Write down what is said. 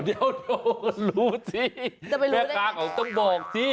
เดี๋ยวรู้สิเป้ากล้าของต้องบอกสิ